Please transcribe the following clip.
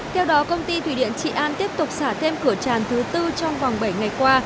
theo đó công ty thủy điện trị an tiếp tục xả thêm cửa tràn thứ tư trong vòng bảy ngày qua